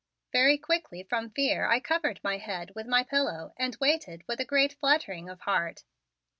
Very quickly from fear I covered my head with my pillow and waited with a great fluttering of heart.